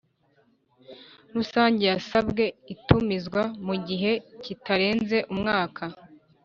Rusange yasabwe itumizwa mu gihe kitarenze umwaka